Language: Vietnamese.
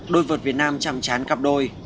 đôi vợt việt nam chẳng chán cặp đôi